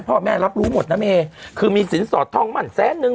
รับรู้หมดนะเมคือมีสินสอดทองมั่นแสนนึง